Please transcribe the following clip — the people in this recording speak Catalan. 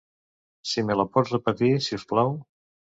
Si me la pots repetir, si us plau.